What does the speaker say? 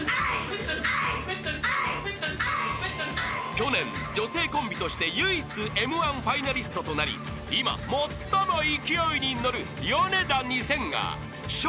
［去年女性コンビとして唯一Ｍ−１ファイナリストとなり今最も勢いに乗るヨネダ２０００が笑